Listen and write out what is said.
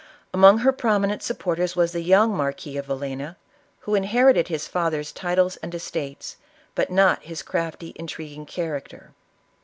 Among her prominent supporters was .the young Marquis of Villena, who inherited his father's titles and estates, but not his crafty, intriguing character.